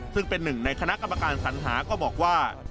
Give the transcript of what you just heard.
ซึ่งเป็นหนึ่งในคณะกรรมการสัญหาก็บอกว่า